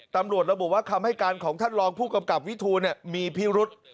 ตำรวจระบุว่าคำให้การของท่านรองผู้กำกับวิทูลมีพิรุษ